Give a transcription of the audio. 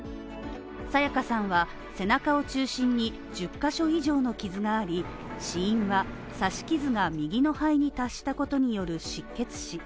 彩加さんは背中を中心に１０ヶ所以上の傷があり、死因は刺し傷が右の肺に達したことによる失血死。